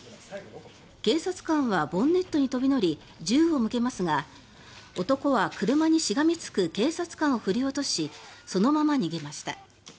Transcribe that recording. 警察官はボンネットに飛び乗り銃を向けますが男は車にしがみつく警察官を振り落としそのまま逃げました。